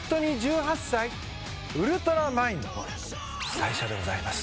最初でございます。